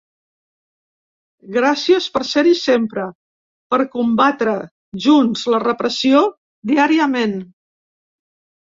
Gràcies per ser-hi sempre, per combatre junts la repressió diàriament.